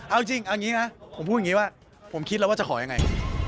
เอาจริงผมพูดอย่างนี้ว่าผมคิดแล้วว่าจะขออย่างไง